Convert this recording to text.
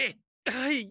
はい。